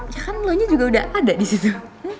ya kan lo nya juga udah ada disitu